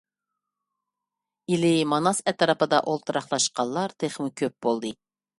ئىلى، ماناس ئەتراپىدا ئولتۇراقلاشقانلار تېخىمۇ كۆپ بولدى.